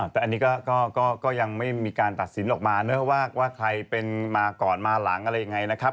แต่อันนี้ก็ยังไม่มีการตัดสินออกมาว่าใครเป็นมาก่อนมาหลังอะไรยังไงนะครับ